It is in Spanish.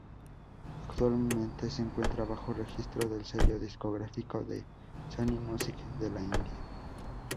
Actualmente se encuentra bajo registro del sello discográfico de Sony Music de la India.